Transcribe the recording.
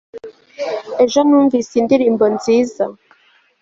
ejo numvise indirimbo nziza